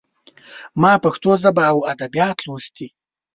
ما پښتو ژبه او ادبيات لوستي.